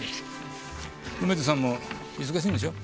梅津さんも忙しいんでしょ？